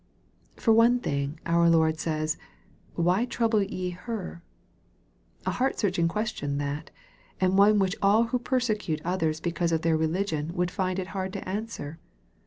For one thing, our Lord says, " Why trouble ye her ?" A heart searching question that, and one which all who persecute others because of their religion would find it hard to answer